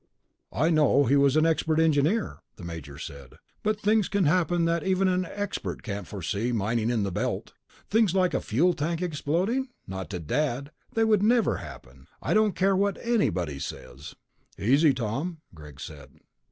"I know he was an expert engineer," the major said. "But things can happen that even an expert can't foresee, mining in the Belt." "Things like a fuel tank exploding? Not to Dad, they would never happen. I don't care what anybody says...." "Easy, Tom," Greg said.